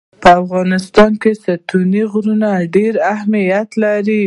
په افغانستان کې ستوني غرونه ډېر اهمیت لري.